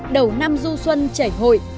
đầu năm du xuân trẻ hội